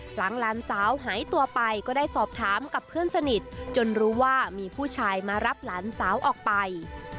หลานสาวหายตัวไปก็ได้สอบถามกับเพื่อนสนิทจนรู้ว่ามีผู้ชายมารับหลานสาวออกไป